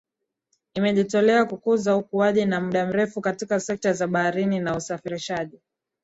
Imejitolea kukuza ukuaji wa muda mrefu katika sekta za baharini na usafirishaji